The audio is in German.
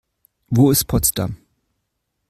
Wo ist Potsdam?